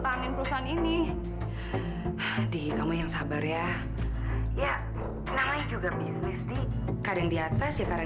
tolong bantuin aku